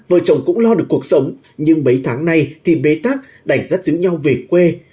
vợ chồng cũng lo được cuộc sống nhưng mấy tháng này thì bê tắc đành rắt giữ nhau về quê